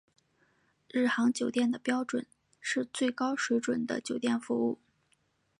日航酒店的目标是最高水准的酒店服务。